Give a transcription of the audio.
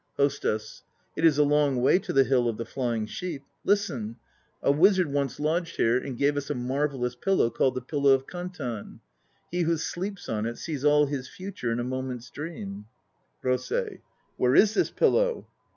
HOSTESS. It is a long way to the Hill of the Flying Sheep. Listen! A wizard once lodged here and gave us a marvellous pillow called the Pillow of Kantan: he who sleeps on it sees all his future in a moment's dream. ROSEI. Where is this pillow?